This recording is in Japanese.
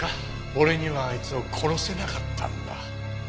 俺にはあいつを殺せなかったんだ。